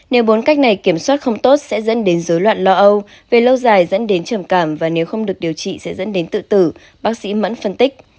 nếu bốn cách này kiểm soát không tốt sẽ dẫn đến dối loạn lo âu về lâu dài dẫn đến trầm cảm và nếu không được điều trị sẽ dẫn đến tự tử bác sĩ mẫn phân tích